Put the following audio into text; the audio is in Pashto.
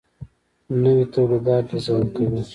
نوي تولیدات ډیزاین کوي.